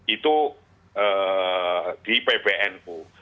itu di pbnu